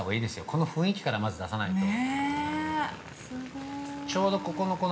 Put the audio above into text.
この雰囲気から、まず出さないと。